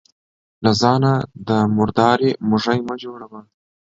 له ځانه د مرداري موږى مه جوړوه.